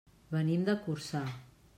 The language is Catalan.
Venim de Corçà.